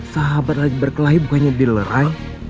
sahabat lagi berkelahi bukannya dilerai